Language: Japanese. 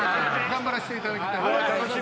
頑張らしていただきます。